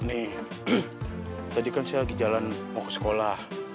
nih tadi kan saya lagi jalan mau ke sekolah